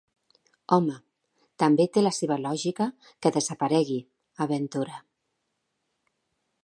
Home, també té la seva lògica que desaparegui —aventura—.